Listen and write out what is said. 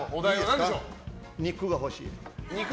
肉が欲しい。